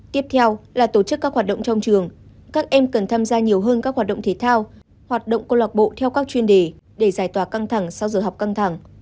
tiếp theo là tổ chức các hoạt động trong trường các em cần tham gia nhiều hơn các hoạt động thể thao hoạt động cô lạc bộ theo các chuyên đề để giải tỏa căng thẳng sau giờ học căng thẳng